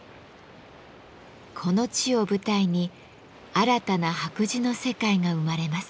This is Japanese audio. この地を舞台に新たな白磁の世界が生まれます。